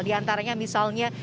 di antaranya misalnya